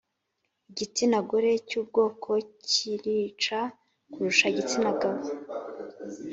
igitsina gore cyubwoko kirica kurusha igitsina gabo